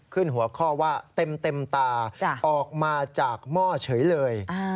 หัวข้อว่าเต็มตาออกมาจากหม้อเฉยเลย